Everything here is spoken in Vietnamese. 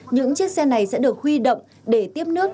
những chiếc xe này sẽ được huy động để tiếp nước